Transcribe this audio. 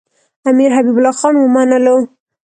امیر حبیب الله خان ومنلو.